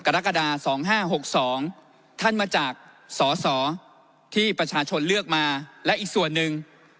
และอีกส่วนนึง